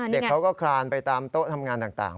เด็กเขาก็คลานไปตามโต๊ะทำงานต่าง